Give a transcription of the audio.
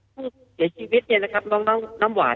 ผู้เสียชีวิตเมืองน้ำหวาน